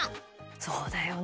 そうだよね。